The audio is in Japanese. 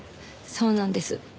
そうなんです。